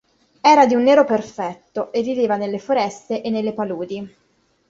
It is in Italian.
Era di un nero perfetto e viveva nelle foreste e nelle paludi.